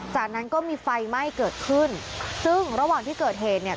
จากนั้นก็มีไฟไหม้เกิดขึ้นซึ่งระหว่างที่เกิดเหตุเนี่ย